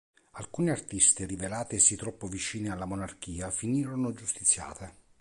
Alcune artiste rivelatesi troppo vicine alla monarchia finirono giustiziate.